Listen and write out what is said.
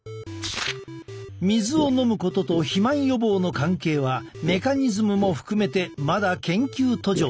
水を飲むことと肥満予防の関係はメカニズムも含めてまだ研究途上だ。